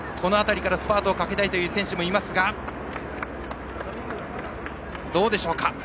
スパートをかけたいという選手もいますが、どうでしょうか。